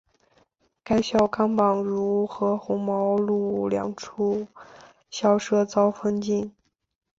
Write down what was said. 该校甘榜汝和红毛路两处校舍遭封禁。